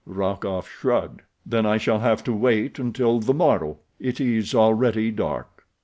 Rokoff shrugged. "Then I shall have to wait until the morrow—it is already dark."